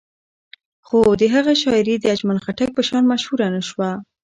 خو د هغه شاعري د اجمل خټک په شان مشهوره نه شوه.